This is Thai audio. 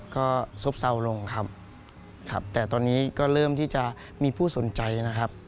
ก็ซบเศร้าลงครับครับแต่ตอนนี้ก็เริ่มที่จะมีผู้สนใจนะครับ